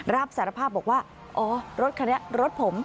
รับสารภาพบอกว่าอ๋อรถคันนี้รถผม